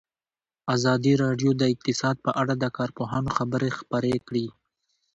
ازادي راډیو د اقتصاد په اړه د کارپوهانو خبرې خپرې کړي.